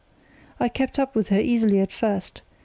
I kept up with her easily at first.